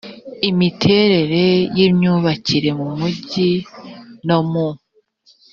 imiterere y imyubakire mu mijyi no mu